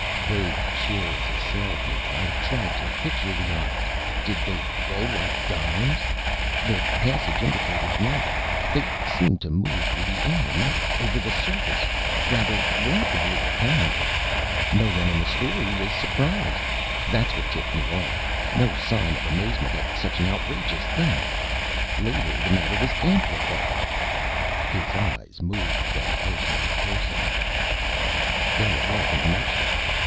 _ Vague chills assailed me. I tried to picture the eyes. Did they roll like dimes? The passage indicated not; they seemed to move through the air, not over the surface. Rather rapidly, apparently. No one in the story was surprised. That's what tipped me off. No sign of amazement at such an outrageous thing. Later the matter was amplified. ... his eyes moved from person to person. There it was in a nutshell.